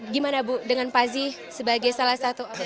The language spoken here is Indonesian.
gimana bu dengan pazi sebagai salah satu atlet